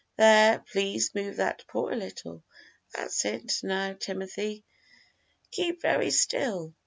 There, please move that paw a little that's it; now, Timothy, keep very still!